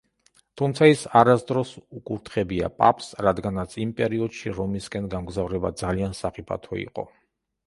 თუმცა ის არასოდეს უკურთხებია პაპს, რადგანაც იმ პერიოდში რომისკენ გამგზავრება ძალიან სახიფათო იყო.